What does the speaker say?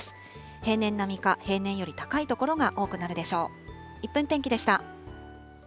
平年並みか平年より高い所が多くなるでしょう。